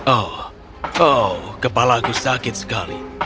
oh oh kepala aku sakit sekali